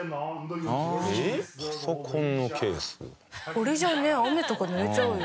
これじゃあね雨とかぬれちゃうよ。